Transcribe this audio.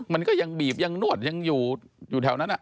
มันก็ยังบีบยังนวดยังอยู่แถวนั้น